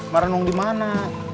merenung di mana